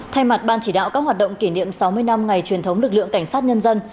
thay mặt ban chỉ đạo các hoạt động kỷ niệm sáu mươi năm ngày truyền thống lực lượng cảnh sát nhân dân